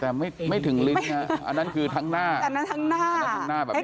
แต่ไม่ไม่ถึงลิ้นฮะอันนั้นคือทั้งหน้าอันนั้นทั้งหน้าอันทั้งหน้าแบบนี้